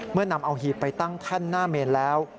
เมื่อนำเอาหีบไปตั้งขั้นหน้าเมนแล้ว